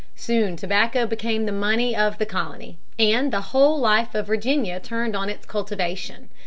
Soon tobacco became the money of the colony, and the whole life of Virginia turned on its cultivation.